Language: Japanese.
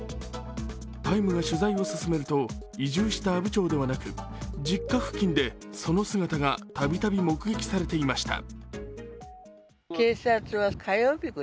「ＴＩＭＥ，」が取材を進めると移住した阿武町ではなく実家付近でその姿がたびたび目撃されていました。